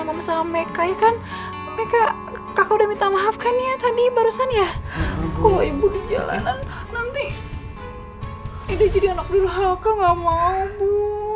maaf sama meka ya kan meka kakak udah minta maaf kan ya tadi barusan ya kalau ibu di jalanan nanti